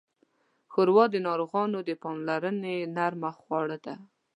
ښوروا د ناروغانو د پاملرنې نرمه خواړه ده.